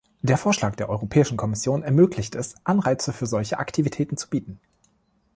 Der Vorschlag der Europäischen Kommission ermöglicht es, Anreize für solche Aktivitäten zu bieten.